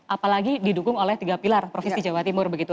apalagi didukung oleh tiga pilar provinsi jawa timur begitu